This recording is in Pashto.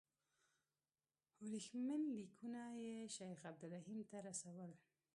ورېښمین لیکونه یې شیخ عبدالرحیم ته رسول.